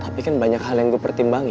tapi kan banyak hal yang gue pertimbangin